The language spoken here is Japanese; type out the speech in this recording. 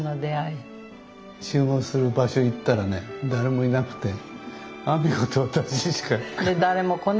集合する場所行ったらね誰もいなくて阿美子と私しか。